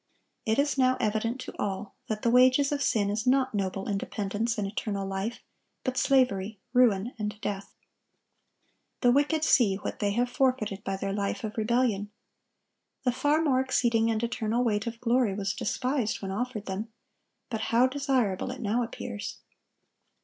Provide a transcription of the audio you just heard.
It is now evident to all that the wages of sin is not noble independence and eternal life, but slavery, ruin, and death. The wicked see what they have forfeited by their life of rebellion. The far more exceeding and eternal weight of glory was despised when offered them; but how desirable it now appears.